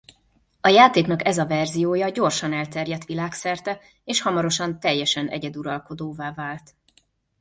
A játéknak ez a verziója gyorsan elterjedt világszerte és hamarosan teljesen egyeduralkodóvá vált.